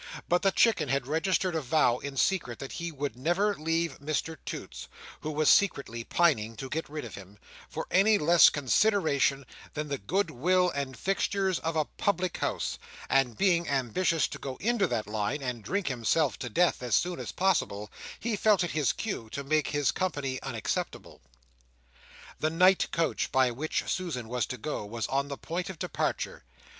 But the Chicken had registered a vow, in secret, that he would never leave Mr Toots (who was secretly pining to get rid of him), for any less consideration than the good will and fixtures of a public house; and being ambitious to go into that line, and drink himself to death as soon as possible, he felt it his cue to make his company unacceptable. The night coach by which Susan was to go, was on the point of departure.